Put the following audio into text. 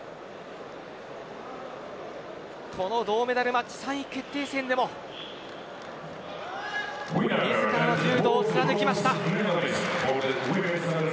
この銅メダルマッチ３位決定戦でも自らの柔道を貫きました。